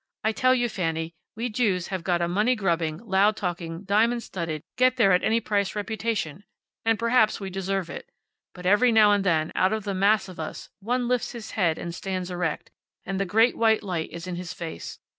I tell you, Fanny, we Jews have got a money grubbing, loud talking, diamond studded, get there at any price reputation, and perhaps we deserve it. But every now and then, out of the mass of us, one lifts his head and stands erect, and the great white light is in his face.